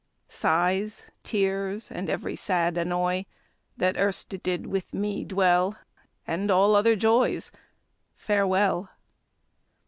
Sighs, tears, and every sad annoy, That erst did with me dwell, And all other joys, Farewell!